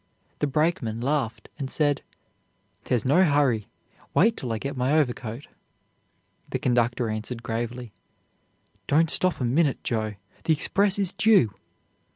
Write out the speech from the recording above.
The brakeman laughed and said: "There's no hurry. Wait till I get my overcoat." The conductor answered gravely, "Don't stop a minute, Joe. The express is due."